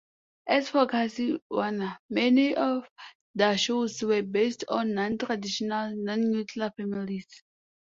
As for Carsey-Werner, many of their shows were based on non-traditional, non-nuclear families.